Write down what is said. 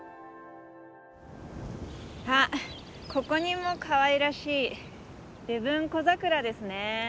あっここにもかわいらしいレブンコザクラですね。